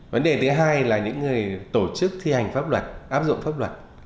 vấn đề thứ hai là những người tổ chức thi hành pháp luật áp dụng pháp luật